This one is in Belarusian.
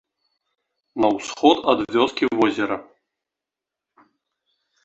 На ўсход ад вёскі возера.